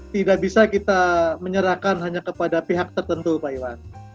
tidak bisa kita menyerahkan hanya kepada pihak tertentu pak iwan